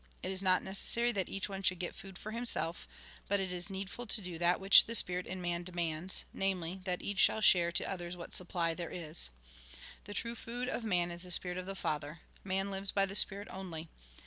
It is not necessary that each one should get food for himself, but it is needful to do that which the Spii'it in man demands, namely, that each shall share to others what supply there is. The true food of man is the Spirit of the Father. Man lives by the Spirit only.